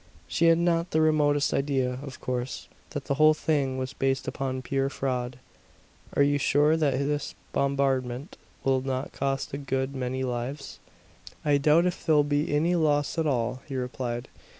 She had not the remotest idea, of course, that the whole thing was based upon pure fraud. "Are you sure that this bombardment will not cost a good many lives?" "I doubt if there will be any loss at all," he replied.